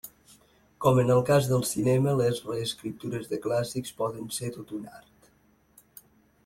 Com en el cas del cinema, les reescriptures de clàssics poden ser tot un art.